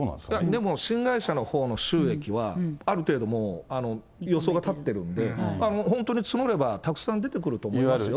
でも新会社のほうの収益は、ある程度もう、予想が立ってるんで、本当に募ればたくさん出てくると思いますよ。